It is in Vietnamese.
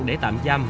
để tạm giam